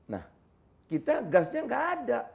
nah kita gasnya nggak ada